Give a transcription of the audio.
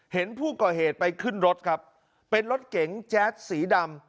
เห็นผู้ก่อเหตุไปขึ้นรถครับเป็นรถเก๋งแจ๊ดสีดำ